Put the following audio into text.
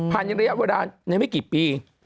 ผ่านในระยะเวลาไม่กี่ปี